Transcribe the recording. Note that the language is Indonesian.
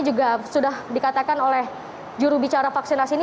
juga sudah dikatakan oleh juru bicara vaksinasi ini